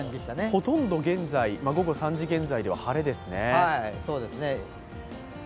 ほとんど午後３時現在では晴れですね。